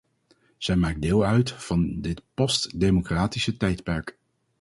Zij maakt deel uit van dit postdemocratische tijdperk.